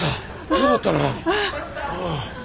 よかったな。